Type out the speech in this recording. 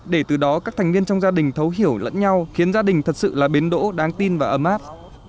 để từ đó các thành viên trong gia đình thấu hiểu lẫn nhau khiến gia đình thật sự là bến đỗ đáng tin và ấm áp